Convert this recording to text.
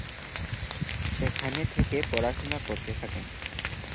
সেখানে থেকে পড়াশোনা করতে থাকেন।